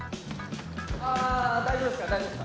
ああ大丈夫ですか？